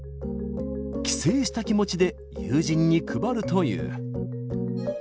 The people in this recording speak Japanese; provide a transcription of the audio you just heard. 帰省した気持ちで、友人に配るという。